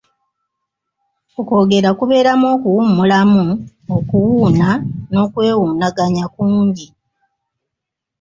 Okwogera kubeeramu okuwummulamu, okuwuuna n'okwewunaganya kungi.